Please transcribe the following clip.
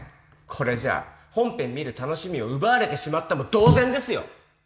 これじゃ本編見る楽しみを奪われてしまったも同然ですよ！